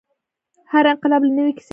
هر انقلاب له نوې کیسې پیلېږي.